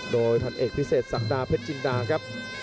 โดยพันเอกพิเศษศักดาเพชรจินดาครับ